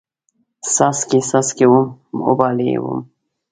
څاڅکي، څاڅکي وم، ویالې وم